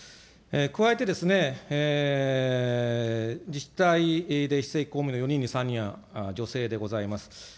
加えてですね、自治体で非正規公務員の４人に３人は女性でございます。